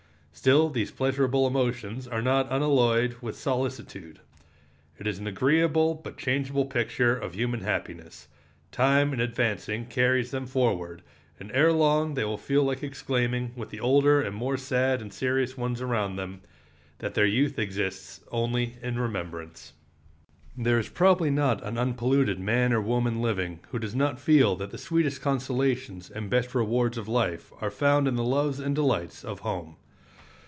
Still these pleasurable emotions are not unalloyed with solicitude. It is an agreeable but changeable picture of human happiness. Time in advancing carries them forward, and erelong they will feel like exclaiming, with the older and more sad and serious ones around them, that their youth exists only in remembrance. There is probably not an unpolluted man or woman living who does not feel that the sweetest consolations and best rewards of life are found in the loves and delights of home.